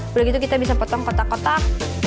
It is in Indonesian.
udah gitu kita bisa potong kotak kotak